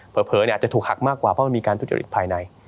เผลออาจจะถูกหักมากกว่าเพราะมันมีการทุจริตภายใน